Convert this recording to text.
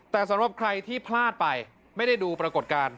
แต่สำหรับใครที่พลาดไปไม่ได้ดูปรากฏการณ์